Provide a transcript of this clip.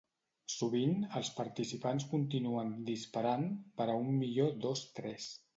Sovint, els participants continuen "disparant" per a un millor dos tres".